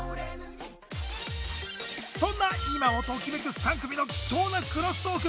そんな今をときめく３組の貴重なクロストーク！